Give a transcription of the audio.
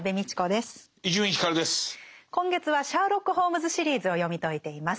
今月は「シャーロック・ホームズ・シリーズ」を読み解いています。